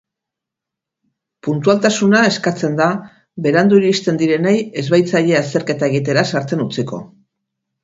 Puntualtasuna eskatzen da, berandu iristen direnei ez baitzaie azterketa egitera sartzen utziko.